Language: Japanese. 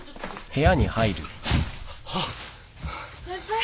先輩。